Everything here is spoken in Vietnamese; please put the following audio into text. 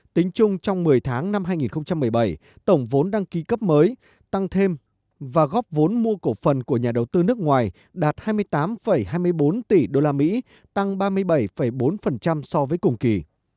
tính chung trong một mươi tháng năm hai nghìn một mươi bảy tổng vốn đăng ký cấp mới tăng thêm và góp vốn mua cổ phần của nhà đầu tư nước ngoài đạt hai mươi tám hai mươi bốn tỷ usd tăng ba mươi bảy bốn so với cùng kỳ